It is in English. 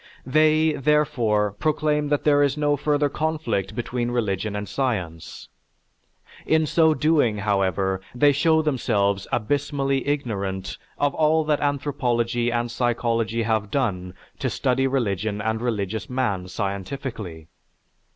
They, therefore, proclaim that there is no further conflict between religion and science. In so doing, however, they show themselves abysmally ignorant of all that anthropology and psychology have done to study religion and religious man scientifically.